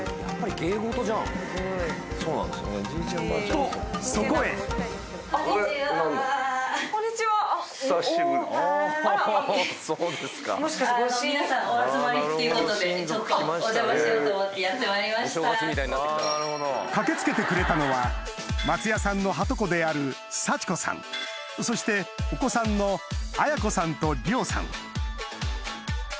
とそこへこんにちはあっあら。駆け付けてくれたのは松也さんのはとこである幸子さんそしてお子さんの彩子さんと亮さん